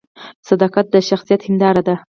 صداقت د شخصیت هنداره ده